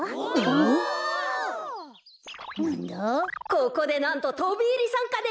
ここでなんととびいりさんかです。